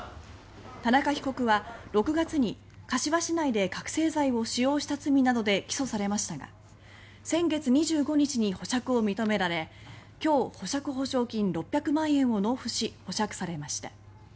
田中被告は６月に柏市内で覚醒剤を使用した罪などで起訴されましたが先月２６日に保釈を認められ今日、保釈保証金６００万円を納付し、保釈されました。